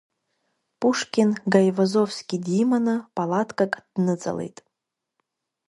Пушкин, Гаивазовски диманы, палаткак дныҵалеит.